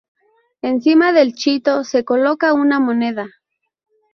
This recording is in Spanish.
Encima del chito se coloca una moneda.